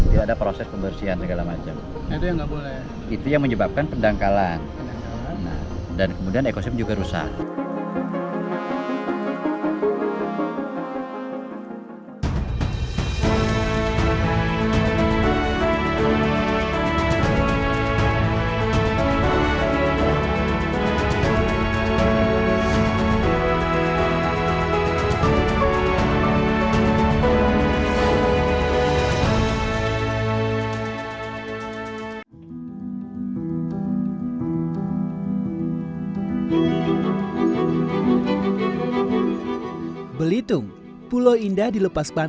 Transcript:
jadi ada proses pembersihan segala macam